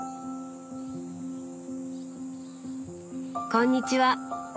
こんにちは。